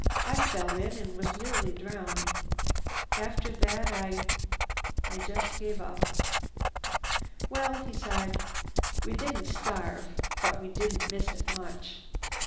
I fell in and was nearly drowned. After that I—I just gave up. "Well," he sighed, "we didn't starve, but we didn't miss it much.